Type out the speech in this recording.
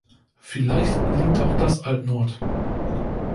Vielleicht liegt auch das altnord.